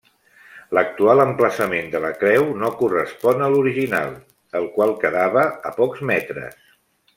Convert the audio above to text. L'actual emplaçament de la creu no correspon a l'original, el qual quedava a pocs metres.